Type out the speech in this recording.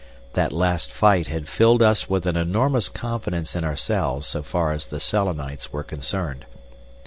That last fight had filled us with an enormous confidence in ourselves so far as the Selenites were concerned.